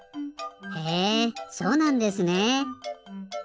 へえそうなんですねえ。